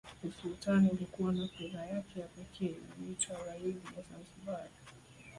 Usultani ulikuwa na fedha yake ya pekee iliyoitwa Riali ya Zanzibar